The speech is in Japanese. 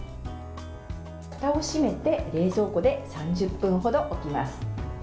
ふたを閉めて冷蔵庫で３０分ほどおきます。